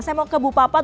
saya mau ke bupapat